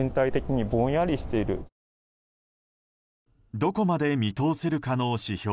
どこまで見通せるかの指標